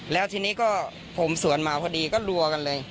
แล้วทีนี้ก็ผมสวนมาพอดีก็รัวกันเลย